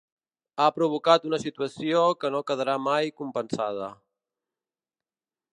Ha provocat una situació que no quedarà mai compensada.